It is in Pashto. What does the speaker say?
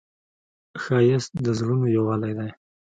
ښایست د زړونو یووالی دی